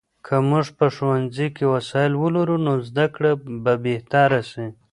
که موږ په ښوونځي کې وسایل ولرو، نو زده کړه به بهتره سي.